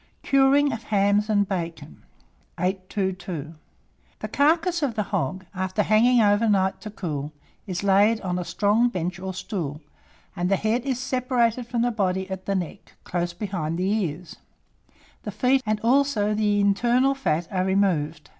CURING OF HAMS AND BACON. 822. The carcass of the hog, after hanging over night to cool, is laid on a strong bench or stool, and the head is separated from the body at the neck, close behind the ears; the feet and also the internal fat are removed.